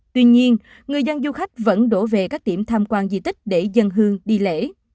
tuy nhiên người dân du khách vẫn đổ về các điểm tham quan di tích để dân hương đi lễ